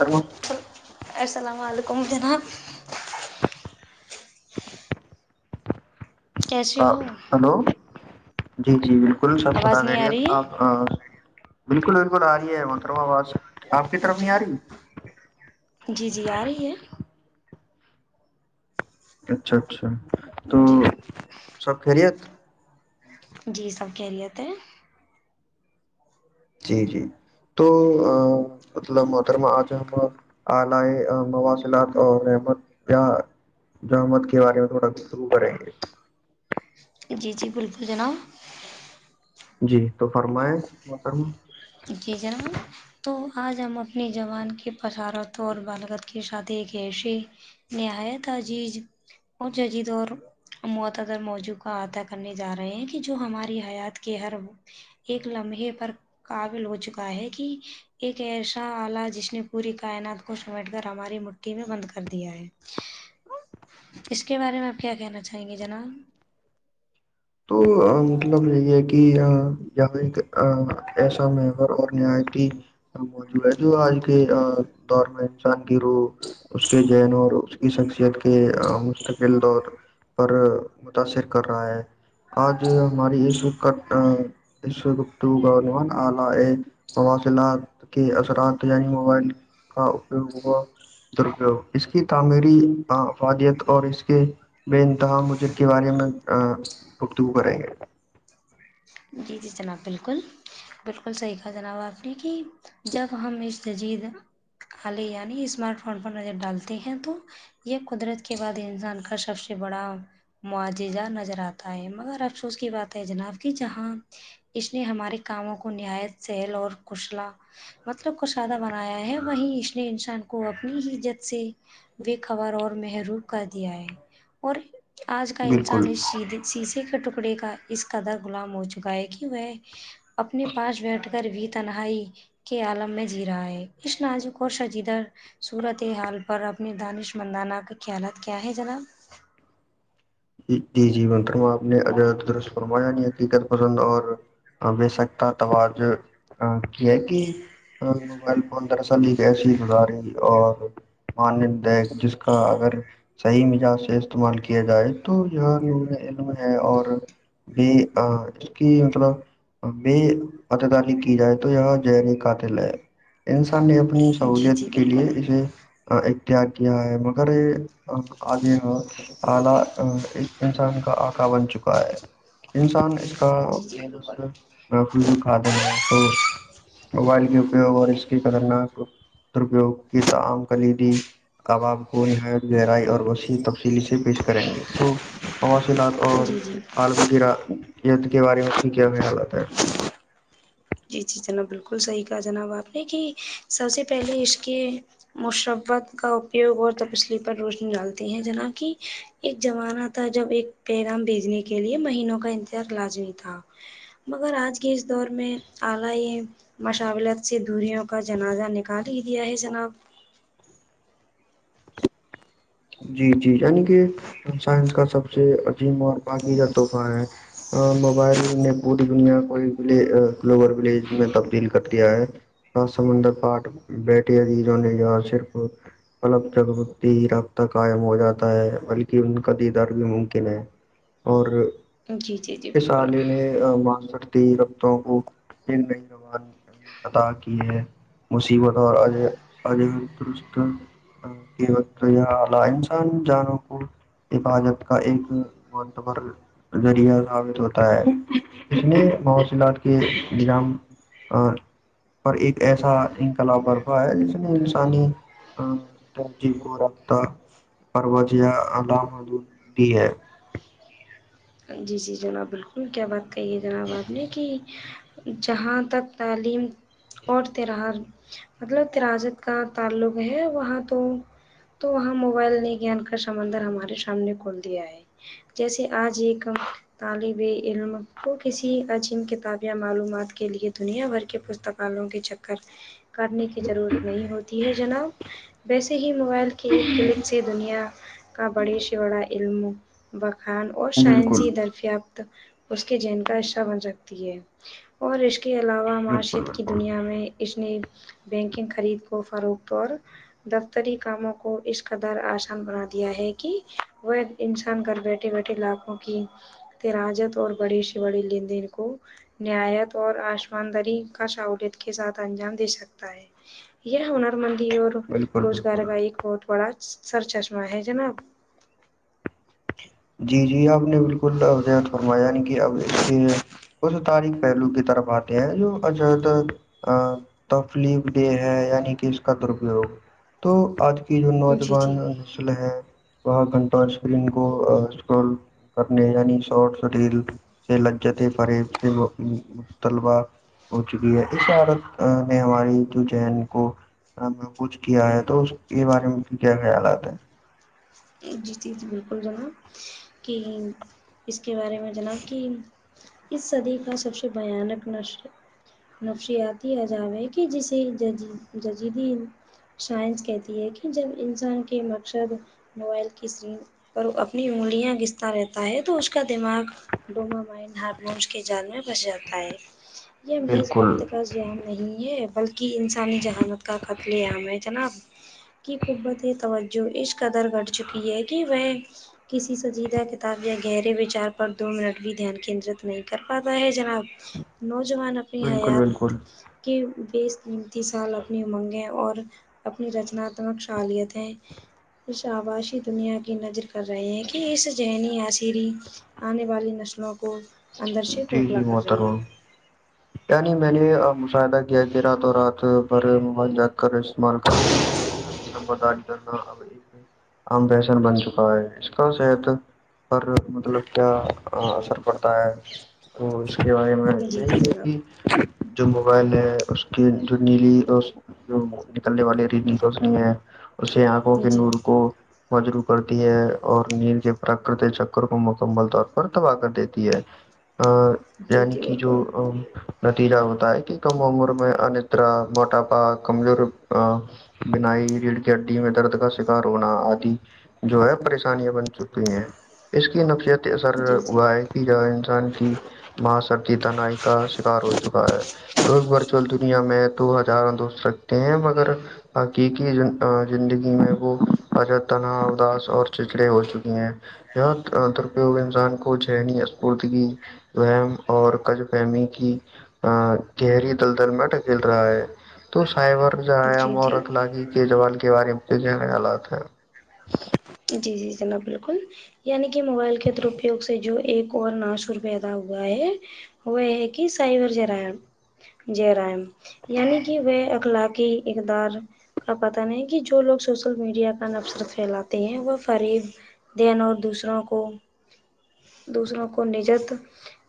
کررم [unintelligible] السلام علیکم جناب کیسے ہو ہلو جی جی بالکل سر بتا آواز نہیں آ خیریت رہی آپ ہے بالکل بالکل آ رہی ہے منترم آواز آپ کی طرف نہیں آ رہی جی جی جی آ رہی ہے اچھا اچھا تو جی سب خیریت جی سب کہہرییے تھے جی جی تو مطلب ماترم آج ہم آل مواز اور رحمت [unintelligible] کیا جہمد کے بارے میں تھوڑا گفتگو کریں گے [unintelligible] جی جی بالکل جناب جی تو فرمائیں محترم [unintelligible] جی جنام [unintelligible] تو آج ہم اپنی جوان کی پشارت اور بالغت کی شادی ایک ایسیی نہایت عجیز اور جج دور [unintelligible] معتدر موضوع کا عطا کرنے جا رہے ہیں کہ جو ہماری حیات کے ہر ایک لمحے پر قابل ہو چکا ہے کہ [unintelligible] ایک ایسا آلہ جس نے پوری کائنات کو سمیٹ کر ہماری مٹی میں بند کر دیا ہے [inaudible] اس کے بارے میں آپ کیا کہنا چاہیں گے جناب تو مطلب یہ ہے کہ یہاں ایک ایسا میور اور نہایتی موجود ہے جو آج کے دور میں انسان کی روح اس کے جین اور اس کی شخصیت کے مستقل دور پر متاأثر کر رہا ہے آج ہماری ایشو کا ایش گپتو گانلہ [unintelligible] کے اثرات یعنی موبائل کا اپیوگ ہوا درپیوگ اس کی تعمیری افادیت اور اس کے بے انتہا مجر کے بارے میں گفتگو کریں گے [unintelligible] جی جی جناب بالکل بالکل صحیح کہا جناب آپ نے کہ جب ہم اس ججید آے یعنی اسمارٹ فون پر نظر ڈالتے ہیں تو [unintelligible] یہ قدرت کے بعد انسان کا سب سے بڑا معجزہ نظر آتا ہے مگر افسوس کی بات ہے جناب کی جہان [unintelligible] اس نے ہمارے کاموں کو نہایت سہل اور کشلا مطلب کشادہ بنا یا ہے وہیں اس نے انسان کو [unintelligible] کو اپنی ہیزت سے بے خبر اور محرووم کر دیا ہے اور آج کا انسان بالکل اس سے شیشے کے ٹکڑے کا اس قدر غلام ہو چکا ہے کہ وہ اپنے پاس بیٹھ کر بھی تنہائی کے عالم میں جی رہا ہے اس ناازوک اور شجیدہ [unintelligible] صورت حال پر اپنے دانش مندانہ کا خیالات کیا ہے جناب جی جی منترما آپ نے درست فرمایا نہیں حقیقت پسند اور بیے سکتا توج یہ ہے کہ موبائل دراصل ایک ایسی ازاری اور ماند جس کا اگر صحیح مزاج سے استعمال کیا جائے تو یہاں ن علم ہے اور [unintelligible] بھی آ کی مطلب بھی پتداری کی جائے تو یہاں جین قاتل ہے انسان نے اپنی جی جی سہوولت کے لیے بالکل اسے اختار کیا ہے مگر یہ آجے اعلہ [inaudible] انسان کا آکا بن چکا ہے انسان اس کا جی جی فمس بالکل [inaudible] نفو بھی کھاتے ہیں تو موبائل کے اپیوگ اور اس کی خطرناک [inaudible] درپیوگ کی تام کلیدی [inaudible] اواب کو نہایت گہرائی اور وسیع تفصیلی سے پیش کریں گے تو مواصلات اور جی جی عالم گاد کے بارے میں بھی کیا خیالات ہے [inaudible] جی جی جناب بالکل صحیح کہا جناب آپ نے کہ سب سے پہلے اس کے مشبت [inaudible] کا اپیوگ اور تپسلی پر روشنی ڈالتی ہے جنا کی ایک زمانہ تھا جب ایک پیغام بھیجنے کے لیے مہینوں کا انتظار لازمی تھا مگر آج کے اس دور میں جناب [unintelligible] جی جی یعنی کہ سائنس کا سب سے عظیم اور باغییدہ تحفہ ہے موبائل نے پوری دنیا کو گلوبل ولیج میں تبدیل کر دیا ہے پس سمندر پاھ بیٹٹے عدیزوں نے ار صرف اپلب جگ بتییرب [inaudible] قائم ہو جاتا ہے بلکہ ان کا دیدار بھی ممکن ہے اور جی جی جی اس بالکل عالے نے مانسرتی رقتوں کو پ نہیں روا د [inaudible] عطا کی ہے مصیبت اور عج درست [inaudible] س د بت یہ [inaudible] انسان جانوں کو حفاظت کا ایک متب ذریعہ ثابت ہوتا ہے اس نے مواصلات کے نظام [inaudible] پر ایک ایسا انقلاب برفہ ہے جس نے انسانی ا کوورخ پروجیا م دی ہے [inaudible] جی جی جناب بالکل کیا بات کہی ہے جناب آپ نے کہ جہاں تک تعلیم اور طرح مطلب تراجت کا تعلق ہے وہاں تو تو وہاں موبائل نے گان کا سمندر ہمارے سامنے کھول دیا ہے جیسے آج ایک ہ [inaudible] طالب علم کو کسی عجیب کتاب یا معلومات کے لیے دنیا بھر کے پستکالوں کے چ کرنے کی ضرورت نہیں ہوتی ہے جناب ویسے ہی موبائل کے ایک کلک سے دنیا کا بڑی سے بڑا علم بخان اور بالکل سائنسی درفیافت اس کے جین کا حصہ بن سکتی ہے اور اسشق اس کے علاوہ بالکل معیشت کی بالکل دنیا میں اس نے بینکنگ خرید کو فروخت اور دفتری کاموں کو اس قدار آسان بنا دیا ہے کہ وہ انسان گھر بیٹھے بیٹھے للاھوں کی تراجت اور بڑی سے بڑی لین دین کو نایت اور آسمان داری کا سہولت کے ساتھ انجام دے سکتا ہے یہ ہنر مندی اور بالکل روزگار بالکل کا ایک بہت بڑا سر چشمہ ہے جناب جی جی آپ نے بالکل ا فرمایا نہیں کیا اب اس کے اس تاریخ پہلو کی طرف آتے ہیں جو ا تر تفلیف ڈے ہے یعنی کہ اس کا درپیوگ تو آجل کی جو جی جی نوجوان نسل ہے وہاں گھنٹانشرین کو [inaudible] ول کرنے یعنی شارٹ سٹیل سے لجج تھ فریب سے طلبا ہو چکی ہے اس عورت نے ہماری جو جین کو کچھ کیا ہے تو اس کے بارے میں کیا خیالات ہے جی تیز بالکل جناب کہ اس کے بارے میں جناب کہ اس سدی کا سب سے بانک نشر نفسیاتی عجاب ہے کہ جسے ج ججیدی [inaudible] سائنس کہتی ہے کہ جب انسان کے مقصد موبائل کی اسرین اور وہ اپنی انگلیاں گستا رہتا ہے تو اس کا دماغ ڈومامائن ہارمونس کے جال میں بچ جاتا ہے یہ محض بالکل وقت کا عام نہیں ہے بلکہ انسانی جہانت کا قتل عام ہے جناب کی قبتی توجہ اس قدر گٹ چکی ہے کہ وہ کسی سجیدہ کتاب یا گہرے وچار پر دو منٹ بھی دھیان کیندرت نہیں کر پاتا ہے جناب نوجوان اپنی بالکل حیات بالکل کہ بیس تینتیس سال اپنی امنگیں اور اپنی رچناتمک شالتیں آباشی دنیا کی نظر کر رہے ہیں کہ اس ذنی آسری آنے والی نسلوں کو اندر سے کھوکھلا کر رہی ہے ی نہیں میں نے مشاہدہ کیا کہ رات اور رات پرھر موبل جات کر اسمال کر عام پہشن بن چکا ہے اس کا شحت اور مطلب کیا اثر پڑا ہو تو اس کے بارے میں جی جی د جناب کہ جو موبائل ہے اس کی جو نیلی جو نکلنے والے ریتنی روشنی ہے اسے آنکھوں جی کے نور کو مجروع کرتی ہے اور نیند کے پراکرتک چکر کو مکمل طور پر تباہ کر دیتی ہے ا جی یعنی جی کہ جو بالکل نتیجہ ہوتا ہے کہ کم عمر میں انیہ طر موٹاپا کمزور بنائی ریڑ کی ہڈی میں درد کا شکار ہونا آدی جو ہے پریشانیاں بن چکی ہیں اس کی نفسیت اثر جی جی ہوا ہے ج انسان کی ماں سر کی تنائی کا شکار ہو چکا ہے لوگ ورچوئل دنیا میں تو ہزاروں دوست رکھتے ہیں مگر حقیقی زندگی میں وہ اج تنا اداس اور چچڑے ہو چکی ہیں درپیوگ انسان کو جنی پتگی وم اور کج فہمی کی ا گہری دلدل میں ڈکل رہا ہے تو سائبر جایا جی جی مورکھ لگی کےجریوال کے بارے میں کھ گنے حالات ہے جی جی جناب بالکل یعنی کہ موبائل کے درپیوگ سے جو ایک اور ناشور پیدا ہوا ہے وہ یہ ہے کہ سائیور جرائم جرائم یعنی کہ وہ اخلاقی اقدار کا پتہ نہیں کہ جو لوگ سوشل میڈیا کا نفسر پھیلاتے ہیں وہ فریب دین اور دوسروں کو دوسروں کو نجت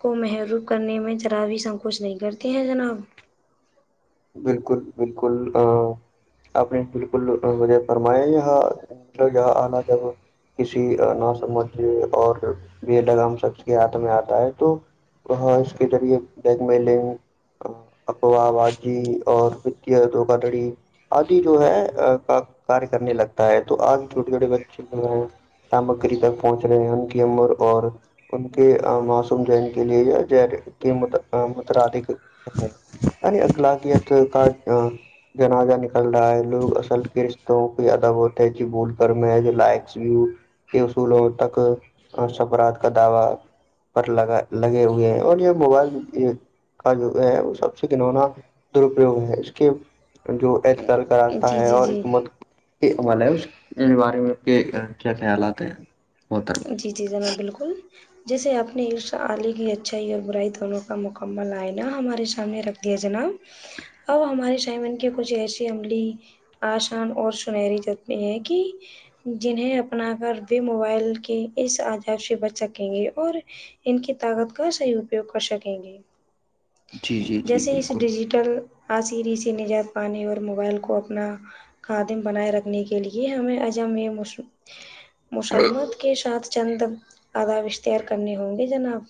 کو محروب کرنے میں چراابی سنکوچ نہیں کرتے ہیں جناب بالکل بالکل ا آپ نے بالکل مجھے فرمایا یہاں مطلب یہاں آنا جب کسی ن سمج اور بے لگام شخص کے ہاتھ میں آتا ہے تو وہاں اس کے ذریعے بیک ملنگ ابوباد جی اور وت دھوگا دھڑی آدھی جو ہے کا ک کرنے لگتا ہے تو آج چھوٹے چھوٹے بچے تمکری تک پہنچ رہے ہیں ان کی عمر اور [unintelligible] ان کے معصوم جین کے لیے یا ج کے م متردک اے الاقیا تو ک [unintelligible] جنازہ نکل رہا ہے لوگ اصل کے رشتوں کو ایادا بہتے ہے ج بول کر میں لائس بھی [unintelligible] کے اصولوں تک سبرات کا دعوی [unintelligible] پر لگا لگے ہوئے ہیں اور یہ موبائل کا جو ہے وہ سب سے کنونا درپیوگ ہے اس کے جو اعتکال کا راستہ جی ہے جی اور جی حکومت یہ حال ہے اس بارے میں کے کیا خیالات ہیں ب طر [unintelligible] جی جی جناب بالکل جیسے آ اپنے عرش ععلی کی اچھائی اور برائی دونوں کا مکمل آئنہ ہمارے سامنے رکھ [unintelligible] دیا جناب اب ہمارے شائمن کے کچھ ایسی عملی آسان اور سنہری جتن یہ ہے کہ جنہیں اپنا کر بھی موبائل کے اس عجاب سے بچ سکیں گے اور ان کی طاقت کا صحی اپیوگ کر سکیں گے جی جی جی جیسے اس بالکل ڈیجیٹل عصری سے نجات پانے اور موبائل کو اپنا خادم بنائے رکھنے کے لیے ہمیں اجم م مسمت کے ساتھ چند آداب اشتیار کرنے ہوں گے جناب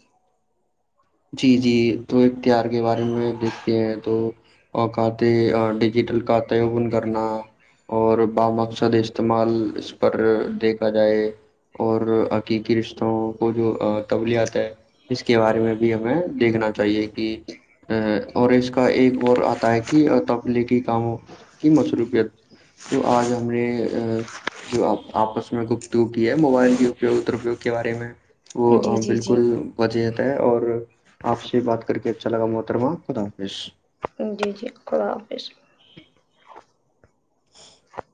جی جی تو اختیار کے بارے میں دیکھتے ہیں تو کھاتے ڈیجیٹل کھاتے اوپن کرنا اور بامقصد استعمال اس پر دیکھا جائے اور حقیقی رشتوں کو جو تبولیات ہے اس کے بارے میں ہمیں دیکھنا چاہیے کہ [unintelligible] اور اس کا ایک اور آتا ہے کہ تبلیغی کاموں کی مصروبیت [unintelligible] تو آج ہم نے ا [unintelligible] جو آپ آپس میں گپتو کی ہے موبائل کیگرپیگ کے بارے میں [unintelligible] وہ جی جی جی بالکل وچے رہتا ہے اور آپ سے بات کر کے اچھا لگا محترما خدا حافظ [unintelligible] جی جی خدلہ حافظ [unintelligible] [inaudible]